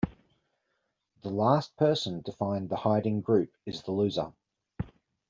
The last person to find the hiding group is the loser.